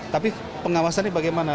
tapi pengawasannya bagaimana